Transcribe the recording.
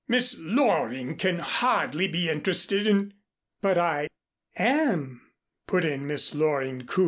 "Miss Loring can hardly be interested in " "But I am," put in Miss Loring coolly.